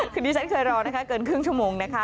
ทีนี้ฉันเคยรอเกินครึ่งชั่วโมง